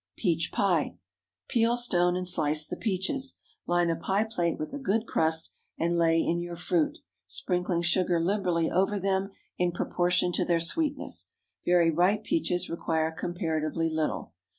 PEACH PIE. ✠ Peel, stone, and slice the peaches. Line a pie plate with a good crust, and lay in your fruit, sprinkling sugar liberally over them in proportion to their sweetness. Very ripe peaches require comparatively little.